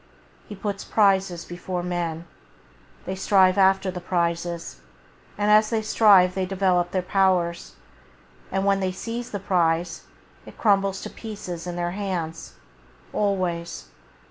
He puts prizes before men. They strive [Page 11] after the prizes, and as they strive they develop their powers. And when they seize the prize, it crumbles to pieces in their hands — always.